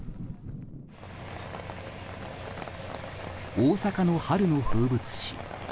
大阪の春の風物詩